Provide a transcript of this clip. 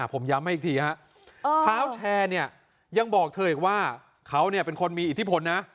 ผมย้ำให้อีกทีฮะเท้าแชร์เนี่ยยังบอกเธออีกว่าเขาเป็นคนมีอิทธิพลนะ